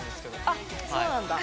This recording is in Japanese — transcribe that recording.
あそうなんだ。